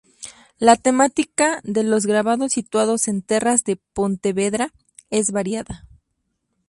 La temática de los grabados situados en Terras de Pontevedra es variada.